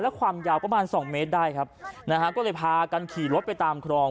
และความยาวประมาณสองเมตรได้ครับนะฮะก็เลยพากันขี่รถไปตามครอง